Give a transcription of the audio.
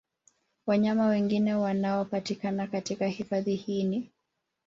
Wanyama wengine wanaopatikana katika hifadhi hii ni